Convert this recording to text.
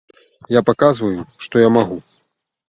Я паказваю, што я магу.